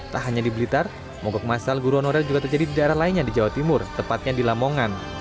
tak hanya di blitar mogok masal guru honorer juga terjadi di daerah lainnya di jawa timur tepatnya di lamongan